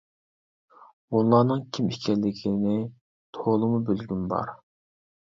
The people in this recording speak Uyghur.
ھونلارنىڭ كىم ئىكەنلىكىنى تولىمۇ بىلگۈم بار!